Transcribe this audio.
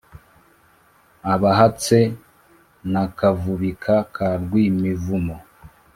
abahatse na kavubika ka rwimivuno.